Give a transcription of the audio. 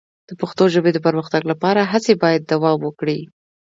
د پښتو ژبې د پرمختګ لپاره هڅې باید دوام وکړي.